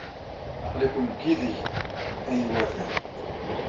Aql-iken deg yideg ay iwatan.